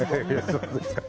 そうですかね